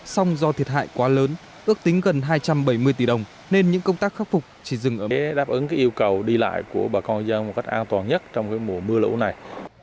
song do thiệt hại quá lớn ước tính gần hai trăm bảy mươi tỷ đồng nên những công tác khắc phục chỉ dừng ở mùa lũ này